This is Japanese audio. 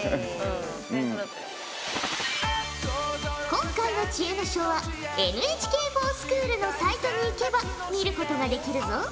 今回の知恵の書はＮＨＫｆｏｒＳｃｈｏｏｌのサイトにいけば見ることができるぞ。